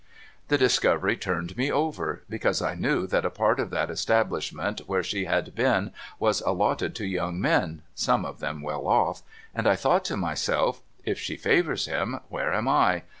The discovery turned me over, because I knew that a part of that establishment where she had been was allotted to young men (some of them well off), and I thought to myself, ' If she favours him, where am I